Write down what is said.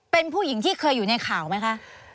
เป็นผู้หญิงที่เคยอยู่ในข่าวไหมคะ